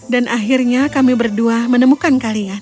akhirnya kami berdua menemukan kalian